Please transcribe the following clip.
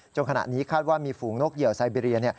ขณะนี้คาดว่ามีฝูงนกเหี่ยวไซเบรีย